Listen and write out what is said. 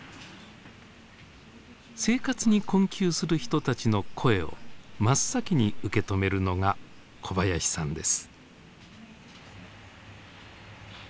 生活に困窮する人たちの声を真っ先に受け止めるのが小林さんです。